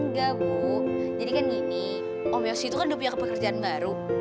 enggak bu jadi kan gini om yosi itu kan udah punya pekerjaan baru